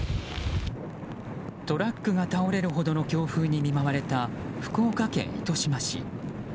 トラックが倒れるほどの強風に見舞われた福岡県糸島市。